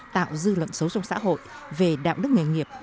tạo dư luận xấu trong xã hội về đạo đức nghề nghiệp